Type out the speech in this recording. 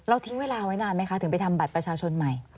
ทิ้งเวลาไว้นานไหมคะถึงไปทำบัตรประชาชนใหม่